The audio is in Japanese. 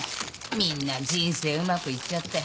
みんな人生うまくいっちゃって。